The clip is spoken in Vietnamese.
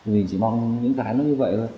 mình chỉ mong những cái nó như vậy thôi